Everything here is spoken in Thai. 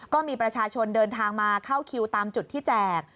ก็มีประชาชนเดินทางมาเข้าคิวตามจุดที่แจก